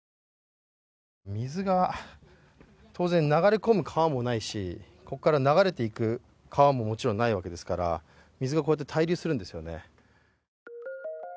水が当然、流れ込む川もないし、ここから流れていく川ももちろんないわけですから水がこうやって滞留するんですよね。